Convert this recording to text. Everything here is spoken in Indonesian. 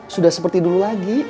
sudah seperti dulu lagi